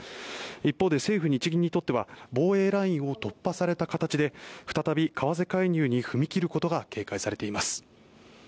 一方で政府日銀にとっては防衛ラインを突破された形で再び為替介入に踏み切ることが警戒されています。